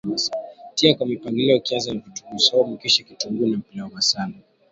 Tia kwa mpangilio ukianza na vitunguu saumu kisha kitunguu na pilau masala